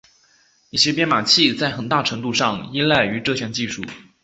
一些编码器在很大程度上依赖于这项技术。